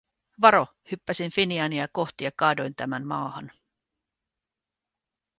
"Varo", hyppäsin Finiania kohti ja kaadoin tämän maahan.